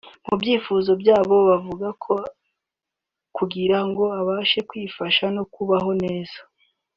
mu byifuzo byabo bavuga ko kugira ngo abashe kwifasha no kubaho neza